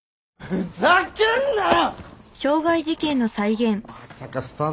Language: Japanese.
ふざけんなよ！